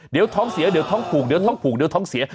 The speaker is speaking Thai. เดี๋ยวท้องเสียเดี๋ยวท้องผูกเดี๋ยวท้องผูกเดี๋ยวท้องเสีย